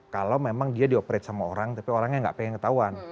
kalau memang dia dioperate sama orang tapi orangnya nggak pengen ketahuan